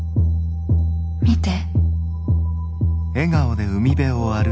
見て。